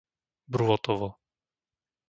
Brôtovo